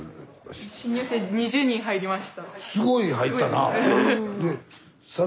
すごい入ったな。